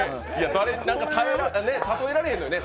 例えられへんのよね。